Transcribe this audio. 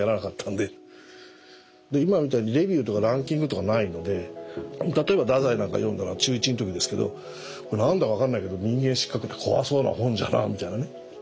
で今みたいにレビューとかランキングとかないので例えば太宰なんか読んだのは中１の時ですけど何だか分かんないけど「人間失格」怖そうな本じゃなみたいなね。